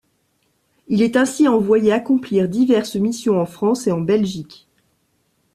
Il est ainsi envoyé accomplir diverses missions en France et en Belgique.